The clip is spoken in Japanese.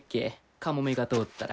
カモメが通ったら。